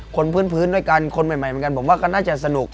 คุณเพลินพื้นด้วยกันคุณแบ่งน่าจะสนุก